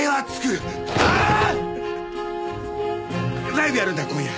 ライブやるんだ今夜。